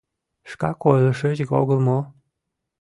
— Шкак ойлышыч огыл мо?